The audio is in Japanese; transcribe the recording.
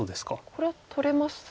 これは取れますよね。